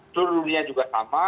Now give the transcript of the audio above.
seluruh dunia juga sama